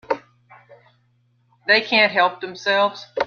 They can't help themselves.